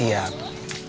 ini apa apa ref